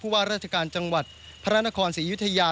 เพราะว่าราชการจังหวัดพระราณครสิริยุทะยา